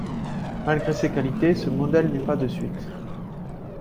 Malgré ses qualités, ce modèle n'eut pas de suite.